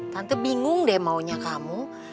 tante bingung deh maunya kamu